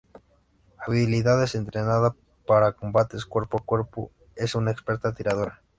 Habilidades: Entrenada para combates cuerpo a cuerpo, es una experta tiradora.